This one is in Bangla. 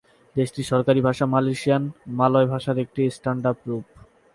দেশটির সরকারি ভাষা মালয়েশিয়ান, মালয় ভাষার একটি স্ট্যান্ডার্ড রূপ।